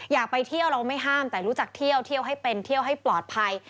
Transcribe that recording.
อยากไปเที่ยวเราไม่ห้ามแต่รู้จักเที่ยวเที่ยวให้เป็นเที่ยวให้ปลอดภัย